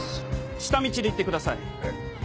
下道で行ってください。